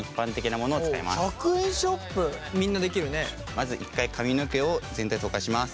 まず一回髪の毛を全体とかします。